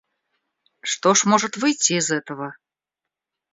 Что ж может выйти из этого?